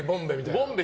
ボンベ。